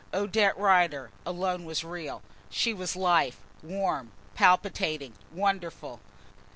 Odette Rider alone was real. She was life; warm, palpitating, wonderful.